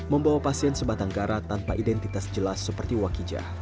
membawa pasien sebatang gara tanpa identitas jelas seperti wakijah